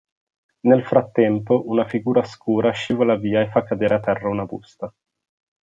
Nel frattempo, una figura scura scivola via e fa cadere a terra una busta.